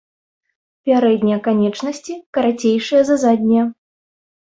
Пярэднія канечнасці карацейшыя за заднія.